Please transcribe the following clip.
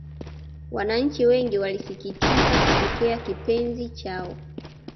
Wananchi wengi walisikitikam kupoteza kipenzi chao